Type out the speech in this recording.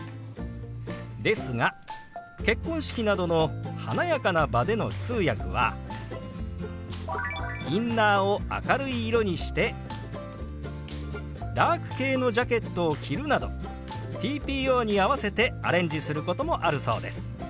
ですが結婚式などの華やかな場での通訳はインナーを明るい色にしてダーク系のジャケットを着るなどＴＰＯに合わせてアレンジすることもあるそうです。